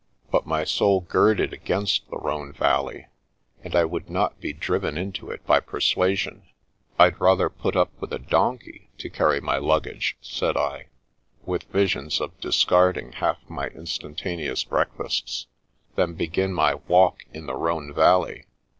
But my soul girded against the Rhone Valley, and I would not be driven into it by persuasion. " Fd rather put up with a donkey to carry my luggage," said I, with visions of discarding half my Instanta neous Breakfasts, " than begin my walk in the Rhone Valley.